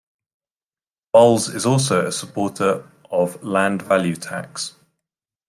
Boles is also a supporter of Land Value Tax.